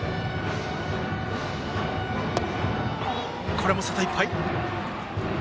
これも外いっぱい。